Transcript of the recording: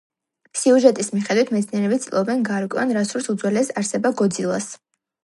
სიუჟეტის მიხედვით, მეცნიერები ცდილობენ, გაარკვიონ რა სურს უძველეს არსება გოძილას.